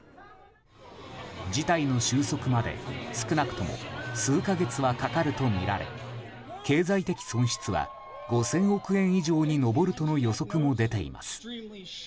事態の収束まで、少なくとも数か月はかかるとみられ経済的損失は５０００億円以上に上るとの予測も出ています。